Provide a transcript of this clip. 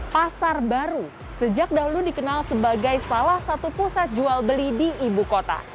pasar baru sejak dahulu dikenal sebagai salah satu pusat jual beli di ibu kota